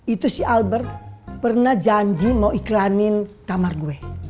itu si albert pernah janji mau iklanin kamar gue